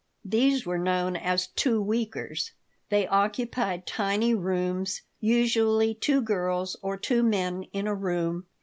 These were known as "two weekers." They occupied tiny rooms, usually two girls or two men in a room.